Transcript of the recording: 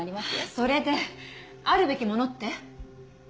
それであるべきものって？